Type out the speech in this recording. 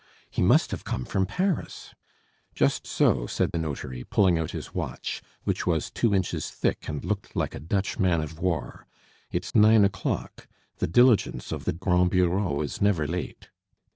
"He must have come from Paris." "Just so," said the notary, pulling out his watch, which was two inches thick and looked like a Dutch man of war; "it's nine o'clock; the diligence of the Grand Bureau is never late."